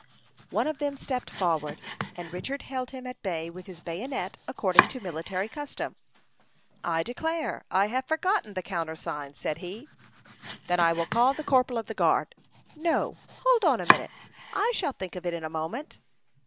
One of them stepped forward, and Richard held him at bay with his bayonet, according to military custom. "I declare, I have forgotten the countersign," said he. "Then I will call the corporal of the guard." "No; hold on a minute. I shall think of it in a moment."